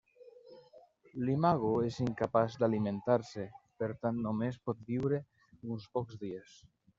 L'imago és incapaç d'alimentar-se, per tant només pot viure uns pocs dies.